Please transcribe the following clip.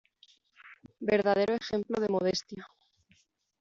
Verdadero ejemplo de modestia.